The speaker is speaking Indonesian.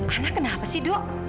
ana kenapa sih dok